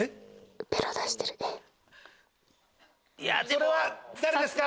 それは誰ですか？